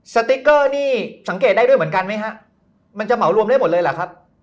สติ๊กเกอร์นี่สังเกตได้ด้วยเหมือนกันไหมฮะมันจะเหมารวมได้หมดเลยเหรอครับ